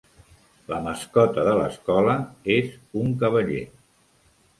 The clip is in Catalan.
La mascota de l'escola és un cavaller.